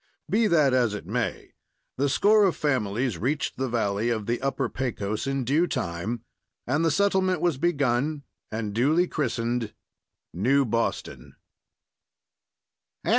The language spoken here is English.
Be that as it may, the score of families reached the valley of the Upper Pecos in due time, and the settlement was begun and duly christened New Boston.